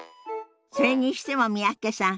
それにしても三宅さん